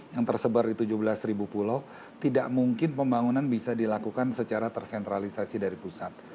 yang tersebar di tujuh belas pulau tidak mungkin pembangunan bisa dilakukan secara tersentralisasi dari pusat